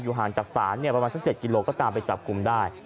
ห่างจากศาลประมาณสัก๗กิโลก็ตามไปจับกลุ่มได้